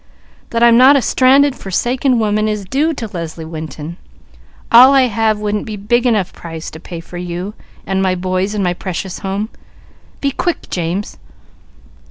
That I'm not a stranded, forsaken woman is due to Leslie Winton; all I have wouldn't be big enough price to pay for you, and my boys, and my precious home. Be quick James!"